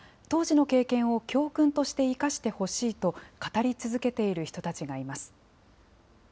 当時の経験を教訓として生かしてほしいと語り続けている人たちがいます。